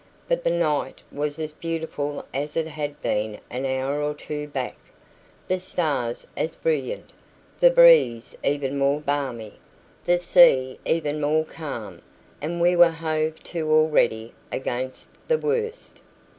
But the night was as beautiful as it had been an hour or two back; the stars as brilliant, the breeze even more balmy, the sea even more calm; and we were hove to already, against the worst.